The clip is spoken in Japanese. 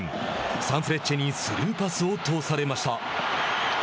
サンフレッチェにスルーパスを通されました。